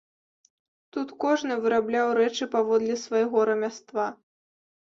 Тут кожны вырабляў рэчы паводле свайго рамяства.